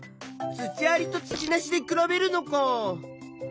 土ありと土なしで比べるのか。